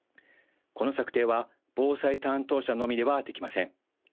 この策定は防災担当者のみではできません。